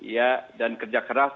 ya dan kerja keras